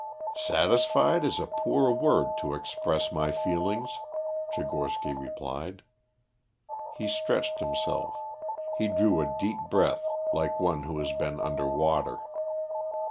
"Satisfied is a poor word to express my feelings," Tchigorsky replied. He stretched himself; he drew a deep breath like one who has been under water.